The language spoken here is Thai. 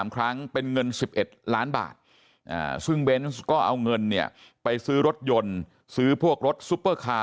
๓ครั้งเป็นเงิน๑๑ล้านบาทซึ่งเบนส์ก็เอาเงินเนี่ยไปซื้อรถยนต์ซื้อพวกรถซุปเปอร์คาร์